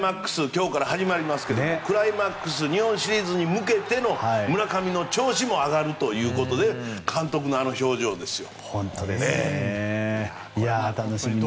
今日から始まりますけどクライマックス日本シリーズに向けての村上の調子も上がるということで監督のあの表情ですよ。